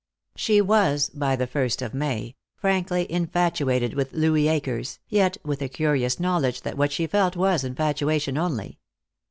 She was, by the first of May, frankly infatuated with Louis Akers, yet with a curious knowledge that what she felt was infatuation only.